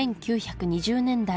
１９２０年代